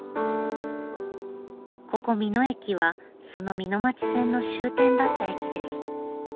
ここ美濃駅はその美濃町線の終点だった駅です。